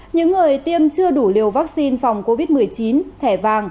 những người tiêm chưa đủ liều vaccine phòng covid một mươi chín thẻ vàng